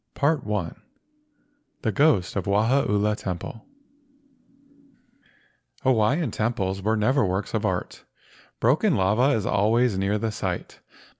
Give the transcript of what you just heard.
PART I LEGENDS I THE GHOST OF WAHAULA TEMPLE AWAIIAN temples were never works of art. Broken lava was always near the site.